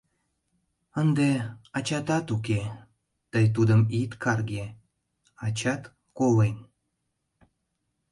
Ынде ачатат уке, тый тудым ит карге — ачат колен...»